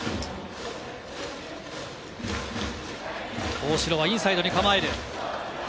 大城はインサイドに構える。